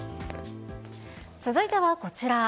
続いてはこちら。